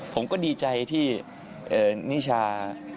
ผมก็ดีใจที่นิชา